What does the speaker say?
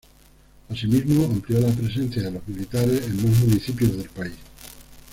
Asimismo amplió la presencia de los militares en más municipios del país.